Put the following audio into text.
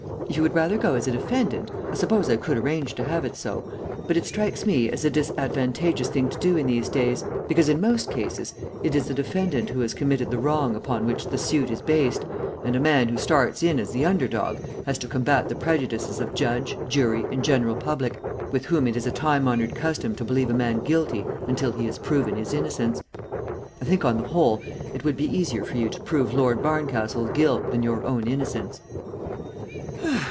If you would rather go as a defendant, I suppose I could arrange to have it so, but it strikes me as a disadvantageous thing to do in these days, because in most cases, it is the defendant who has committed the wrong upon which the suit is based, and a man who starts in as the underdog, has to combat the prejudices of judge, jury and general public, with whom it is a time honoured custom to believe a man guilty until he has proven his innocence. I think, on the whole, it would be easier for you to prove Lord Barncastle's guilt than your own innocence."